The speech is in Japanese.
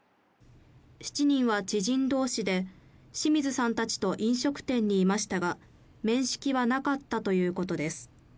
７人は知人同士で、清水さんたちと飲食店にいましたが、面識はなかったということです。